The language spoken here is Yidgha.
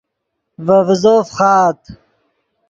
ڤے ڤیزو فخآت